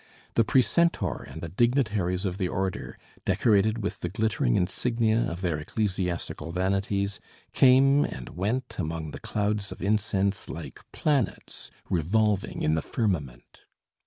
The precentor and the dignitaries of the order, decorated with the glittering insignia of their ecclesiastical vanities, came and went among the clouds of incense like planets revolving in the firmament.